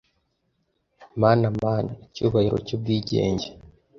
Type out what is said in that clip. Mana, Mana, icyubahiro cyubwigenge,